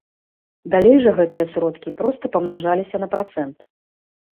Далей жа гэтыя сродкі проста памнажаліся на працэнт.